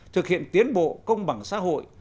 thực hiện tiến bộ công bằng xã hội